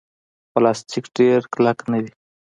پلاستيک ډېر کلک نه وي.